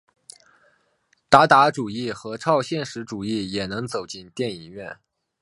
达达主义和超现实主义也能走进电影院。